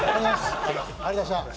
ありがとうございます。